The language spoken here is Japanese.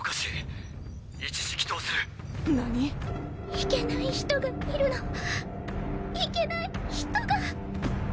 いけない人がいるのいけない人が。